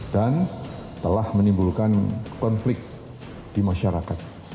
dan telah menimbulkan konflik di masyarakat